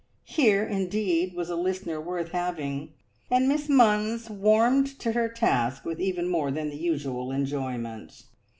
Here, indeed, was a listener worth having, and Miss Munns warmed to her task with even more than the usual enjoyment.